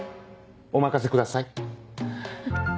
お任せください！